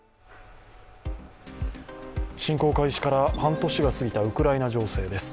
侵攻開始から半年が過ぎたウクライナ情勢です。